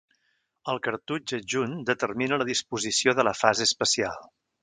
El cartutx adjunt determina la disposició de la fase especial.